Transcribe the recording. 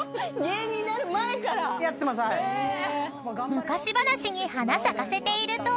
［昔話に花咲かせていると］